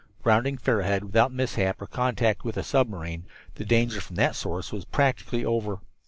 Rounding Fair Head without mishap or contact with a submarine, the danger from that source was practically over.